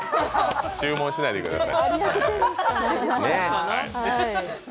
注文しないでください。